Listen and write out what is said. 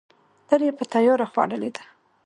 تل یې په تیاره خوړلې ده.